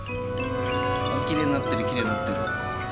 あきれいになってるきれいになってる。